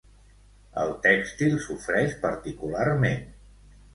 El tèxtil sofreix particularment.